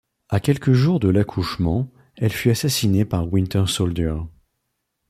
À quelques jours de l'accouchement, elle fut assassinée par Winter Soldier.